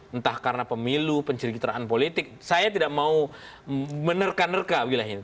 entah karena pemilu penceritaan politik saya tidak mau menerka nerka wilayah ini